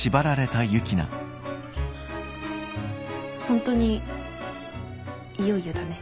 本当にいよいよだね。